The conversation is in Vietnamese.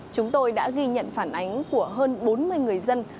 chúng tôi đã ghi nhận phản ánh của hơn bốn mươi người dân